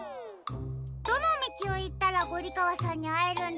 どのみちをいったらゴリかわさんにあえるんだろう？